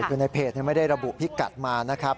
คือในเพจไม่ได้ระบุพิกัดมานะครับ